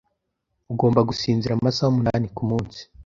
Ugomba gusinzira amasaha umunani kumunsi.